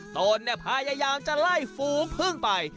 ตนพยายามจะไล่ฝูงพึ่งไป